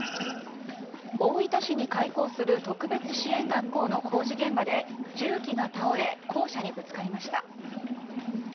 大分市に開校する特別支援学校の工事現場で重機が倒れ校舎にぶつかりました。